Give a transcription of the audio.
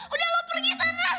udah lo pergi sana